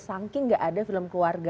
saking gak ada film keluarga